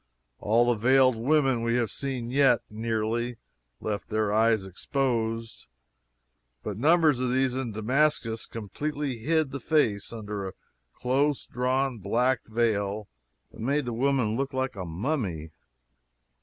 All the veiled women we had seen yet, nearly, left their eyes exposed, but numbers of these in Damascus completely hid the face under a close drawn black veil that made the woman look like a mummy.